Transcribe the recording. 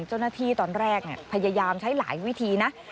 เจ้าหน้าที่ตอนแรกพยายามใช้หลายวิธีนะ